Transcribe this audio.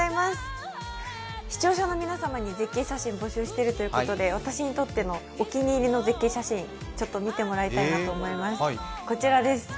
視聴者の皆様に絶景写真を募集しているということで私にとってのお気に入りの絶景写真を見てもらいたいと思います。